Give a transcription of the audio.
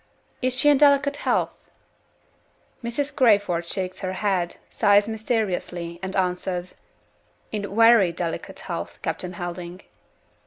Is she in delicate health? Mrs. Crayford shakes her head; sighs mysteriously; and answers, "In very delicate health, Captain Helding."